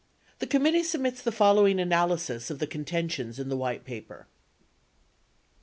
The committee submits the following analysis of the contentions in the White Paper. 1.